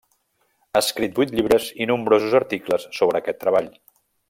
Ha escrit vuit llibres i nombrosos articles sobre aquest treball.